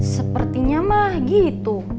sepertinya emang gitu